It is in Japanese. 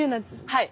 はい。